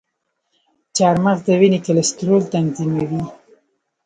چارمغز د وینې کلسترول تنظیموي.